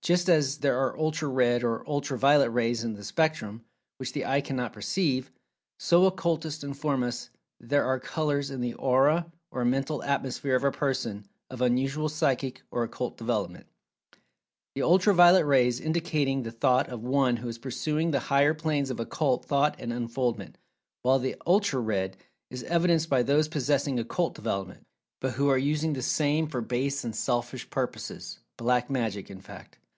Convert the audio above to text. Just as there are ultra red, and ultra violet rays in the spectrum, which the eye cannot perceive, so Occultists inform us there are "colors" in the Aura or Mental Atmosphere of a person of unusual psychic or occult development, the ultra violet rays indicating the thought of one who is pursuing the higher planes of occult thought and unfoldment, while the ultra red is evidenced by those possessing occult development, but who are using the same[Pg 223] for base and selfish purposes—"black magic" in fact.